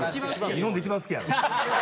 日本で一番好きやろ。